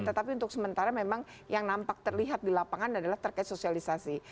tetapi untuk sementara memang yang nampak terlihat di lapangan adalah terkait sosialisasi